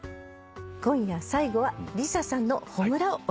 今夜最後はＬｉＳＡさんの『炎』をお聴きいただきます。